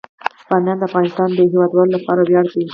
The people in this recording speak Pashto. بامیان د افغانستان د هیوادوالو لپاره ویاړ دی.